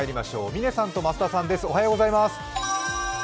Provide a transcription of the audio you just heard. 嶺さんと増田さんです。